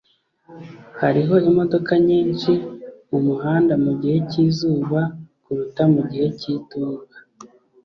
hariho imodoka nyinshi mumuhanda mugihe cyizuba kuruta igihe cy'itumba